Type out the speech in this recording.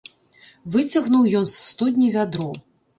Выцягнуў ён з студні вядро.